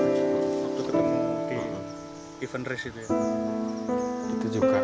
waktu ketemu di event race itu ya